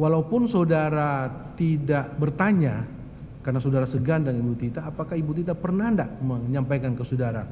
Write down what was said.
walaupun saudara tidak bertanya karena saudara segan dengan ibu tita apakah ibu tita pernah tidak menyampaikan ke saudara